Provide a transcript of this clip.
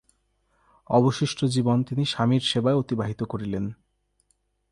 অবশিষ্ট জীবন তিনি স্বামীর সেবায় অতিবাহিত করিলেন।